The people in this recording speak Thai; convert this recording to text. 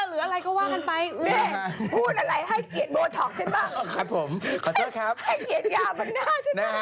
ให้เกียรติยาบันหน้าฉันนะ